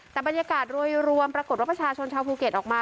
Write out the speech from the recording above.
แต่บรรยากาศรวยรวมปรากฏว่าประชาชนชาวภูเก็ตออกมา